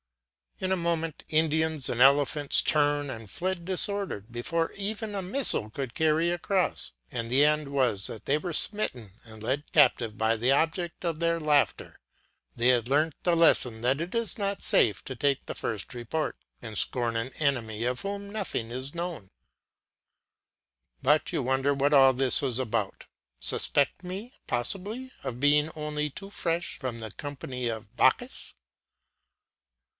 In a moment Indians and elephants turned and fled disordered, before even a missile could carry across; and the end was that they were smitten and led captive by the objects of their laughter; they had learnt the lesson that it is not safe to take the first report, and scorn an enemy of whom nothing is known. But you wonder what all this is about suspect me, possibly5, of being only too fresh from the company of Bacchus.